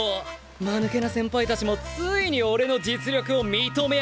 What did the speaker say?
まぬけな先輩たちもついに俺の実力を認めやがったんだ。